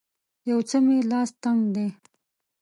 یو څه مې لاس تنګ دی